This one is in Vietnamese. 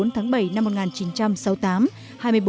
hai mươi bốn tháng bảy năm một nghìn chín trăm sáu mươi tám